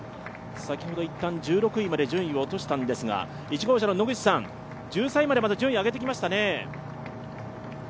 先ほどいったん１６位まで順位を落としたんですが、１３位まで順位を上げてきましたね。